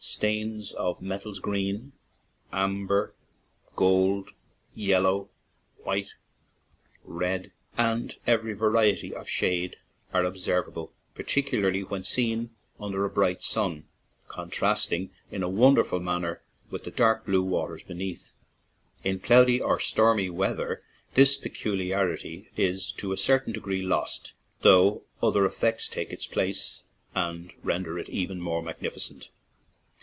Stains of metals — green, amber, gold, yellow, white, red — and every variety of shade are observable, particularly when seen under a bright sun, contrasting in a wonderful manner with the dark blue waters beneath. In cloudy or stormy weather this peculiarity is to a certain degree lost, though other effects take its place and render it even more magnificent.